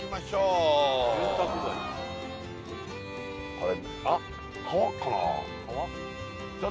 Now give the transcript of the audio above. あれ？